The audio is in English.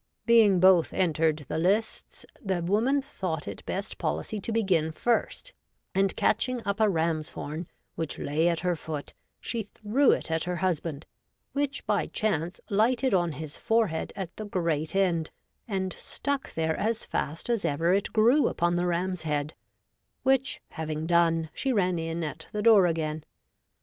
Being both entered the lists, the woman thought it best policy to begin first, and, catching up a Ram's Horn, which lay at her foot, she threw it at her husband, which by chance lighted on his forehead at the great end, and stuck there as fast as ever it grew upon the Ram's head ; which, having done, she ran in at the door again.